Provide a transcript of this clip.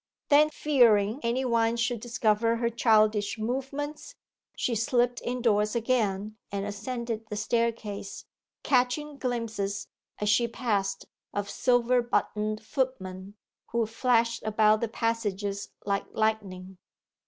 Then, fearing any one should discover her childish movements, she slipped indoors again, and ascended the staircase, catching glimpses, as she passed, of silver buttoned footmen, who flashed about the passages like lightning.